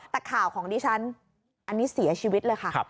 แต่ข่าวของดิฉันอันนี้เสียชีวิตเลยค่ะ